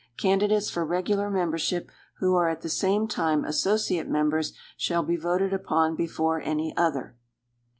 Candidates for regular membership who are at the same time associate members, shall be voted upon before any other.